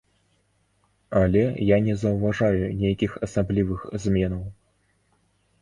Але я не заўважаю нейкіх асаблівых зменаў.